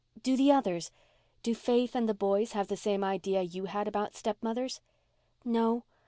"Do the others—do Faith and the boys have the same idea you had about stepmothers?" "No.